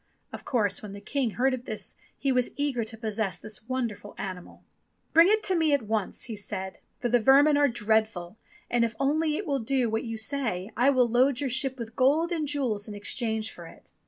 Of course, when the King heard this he was eager to possess this wonderful animal. "Bring it to me at once," he said; *'for the vermin are dreadful, and if only it will do what you say, I will load your ship with gold and jewels in exchange for it."